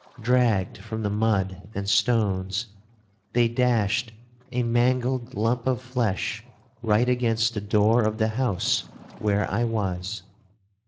Dragged from the mud and stones, they dashed a mangled lump of flesh right against the door of the house where I was.